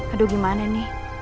aduh gimana nih